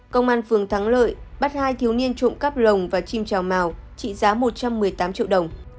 công an phường thắng lợi bắt hai thiếu niên trộm cắp rồng và chim trào màu trị giá một trăm một mươi tám triệu đồng